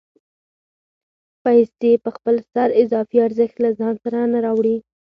پیسې په خپل سر اضافي ارزښت له ځان سره نه راوړي